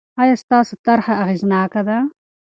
آیا ستاسو طرحه اغېزناکه ده؟